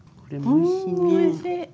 んおいしい！